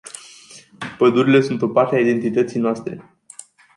Pădurile sunt o parte a identității noastre.